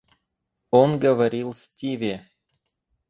Он говорил Стиве.